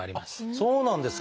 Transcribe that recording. そうなんですか！